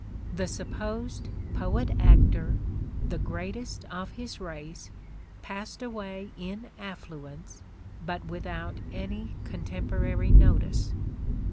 The supposed poet actor, the greatest of his race, passed away in affluence but without any contemporary notice.